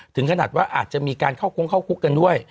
ถึงขนาดว่าอาจจะมีการเข้าโค้งเข้าคุกกันด้วย